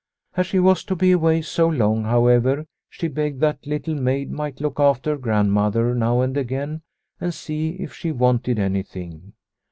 As she was to be away so long, however, she begged that Little Maid might look after Grand mother now and again and see if she wanted anything.